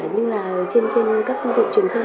như là trên các thông tin truyền thông